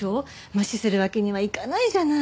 無視するわけにはいかないじゃない。